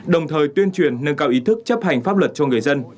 đồng thời tuyên truyền nâng cao ý thức chấp hành pháp luật cho người dân